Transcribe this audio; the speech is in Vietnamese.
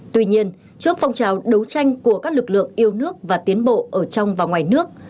tuy nhiên trước phong trào đấu tranh của các lực lượng yêu nước và tiến bộ ở trong và ngoài nước